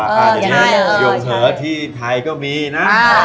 ใช่อย่างนี้ช่วงเฮิร์ดที่ไทยก็มีนะ